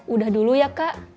udah dulu ya kak